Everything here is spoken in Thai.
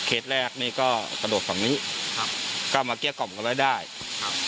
ครับเคล็ดแรกนี่ก็กระโดดตรงนี้ครับก็มาเกลี้ยกล่อมก็ได้ครับ